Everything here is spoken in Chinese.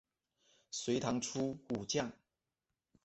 隋唐初武将。